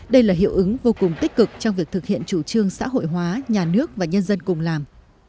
đây là hiệu ứng vô cùng tích cực trong việc thực hiện chủ trương xã hội hóa nhà nước và nhân dân cùng làm